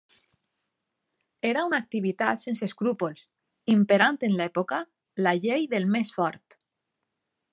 Era una activitat sense escrúpols, imperant en l'època la llei del més fort.